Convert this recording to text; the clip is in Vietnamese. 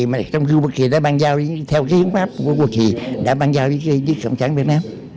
mà trong khi quốc kỳ đã ban giao theo cái hiến pháp của quốc kỳ đã ban giao với cộng sản việt nam